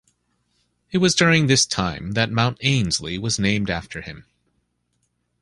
It was during this time that Mount Ainslie was named after him.